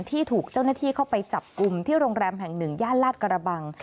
ที่ถูกเจ้าหน้าที่เข้าไปจับกลุ่มที่โรงแรมแห่งหนึ่งย่านลาดกระบัง